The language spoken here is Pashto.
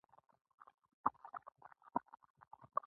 په مهمو جنګونو کې یې برخه اخیستې ده.